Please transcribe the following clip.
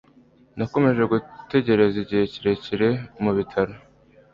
nakomeje gutegereza igihe kirekire mu bitaro